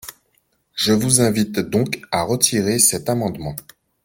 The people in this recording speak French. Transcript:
Je vous invite donc à retirer cet amendement.